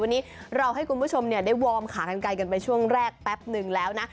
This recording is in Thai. วันนี้เราให้คุณผู้ชมได้วอร์มขากันไกลกันไปช่วงแรกแป๊บนึงแล้วนะ